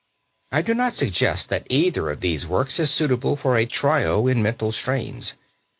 I do not suggest that either of these works is suitable for a tyro in mental strains.